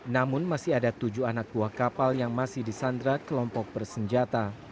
namun masih ada tujuh anak buah kapal yang masih disandra kelompok bersenjata